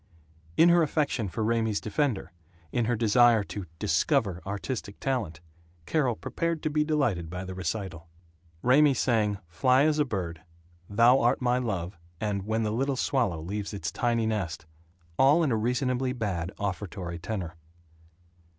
In her affection for Raymie's defender, in her desire to "discover artistic talent," Carol prepared to be delighted by the recital. Raymie sang "Fly as a Bird," "Thou Art My Dove," and "When the Little Swallow Leaves Its Tiny Nest," all in a reasonably bad offertory tenor.